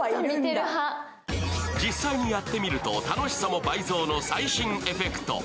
実際にやってみると楽しさも倍増の最新エフェクト。